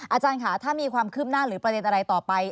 อาจารย์ค่ะถ้ามีความคืบหน้าหรือประเด็นอะไรต่อไป